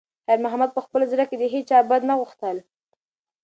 خیر محمد په خپل زړه کې د هیچا بد نه غوښتل.